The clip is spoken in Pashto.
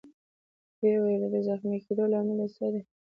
ويې ویل: د زخمي کېدو لامل يې څه دی؟